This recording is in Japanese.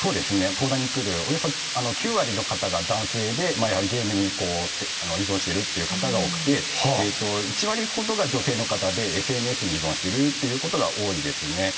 相談に来るおよそ９割の方が男性でやはりゲームに依存しているっていう方が多くてえと１割ほどが女性の方でＳＮＳに依存してるっていうことが多いですね。